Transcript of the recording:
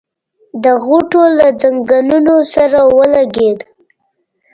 د غوټۍ له ځنګنو سره ولګېد.